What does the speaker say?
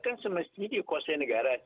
kan semestinya dia kekuasaan negara